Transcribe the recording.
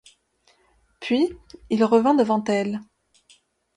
Puis, il revint devant elle.